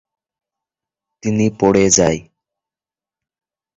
তিনি পড়ে যাই।